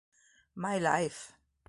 My Life